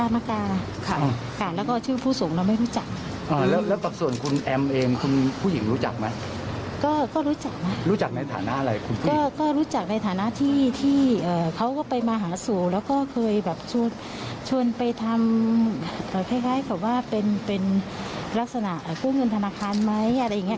ว่าถ้ามีปัญหานละก็เงินธนาคารมั้ยอะไรอย่างเนี้ย